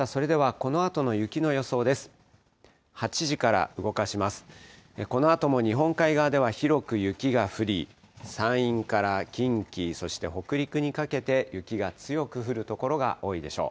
このあとも日本海側では広く雪が降り、山陰から近畿、そして北陸にかけて、雪が強く降る所が多いでしょう。